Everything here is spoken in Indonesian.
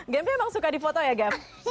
gempy emang suka di foto ya gem